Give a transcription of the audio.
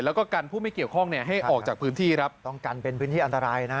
แล้วก็กันผู้ไม่เกี่ยวข้องให้ออกจากพื้นที่ครับต้องกันเป็นพื้นที่อันตรายนะ